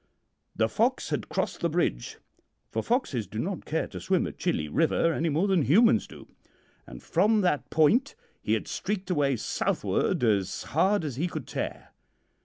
"The fox had crossed the bridge for foxes do not care to swim a chilly river any more than humans do and from that point he had streaked away southward as hard as he could tear.